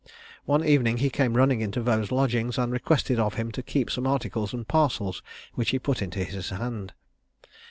One evening he came running into Vaux's lodgings, and requested of him to keep some articles and parcels which he put into his hand.